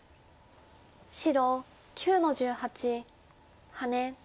白９の十八ハネ。